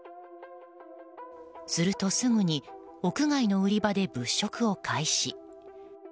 すると、すぐに屋外の売り場で物色を開始。